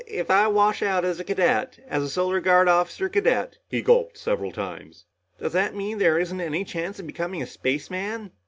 "If if I wash out as a cadet as a Solar Guard officer cadet" he gulped several times "does that mean there isn't any chance of becoming a spaceman?"